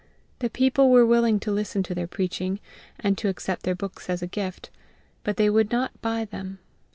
The people were willing to listen to their preaching, and to accept their books as a gift, but they would not buy them.